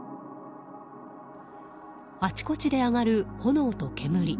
あちこちで上がる炎と煙。